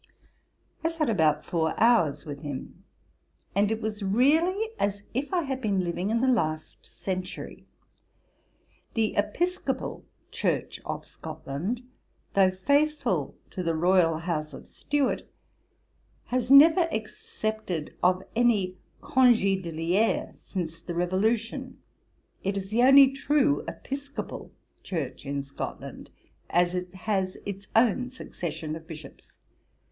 I sat about four hours with him, and it was really as if I had been living in the last century. The Episcopal Church of Scotland, though faithful to the royal house of Stuart, has never accepted of any congé d'liré, since the Revolution; it is the only true Episcopal Church in Scotland, as it has its own succession of bishops.